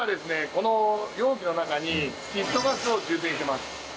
この容器の中に窒素ガスを充填してます。